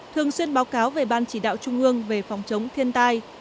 thường xuyên báo cáo về ban chỉ đạo trung ương về phòng chống thiên tai